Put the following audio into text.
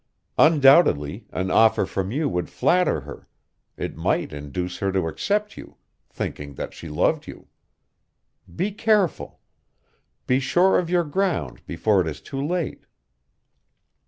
Undoubtedly an offer from you would flatter her; it might induce her to accept you, thinking that she loved you. Be careful. Be sure of your ground before it is too late."